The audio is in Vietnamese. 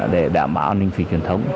để đảm bảo an ninh phí truyền thống